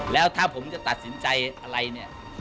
แล้วถ้าผมจะตัดสินใจอะไรเนี่ย